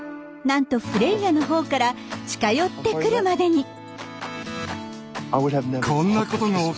なんとフレイヤのほうから近寄ってくるまでに。